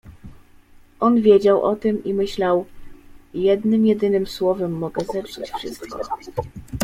On wiedział o tym i myślał: — Jednym jedynym słowem mogę zepsuć wszystko.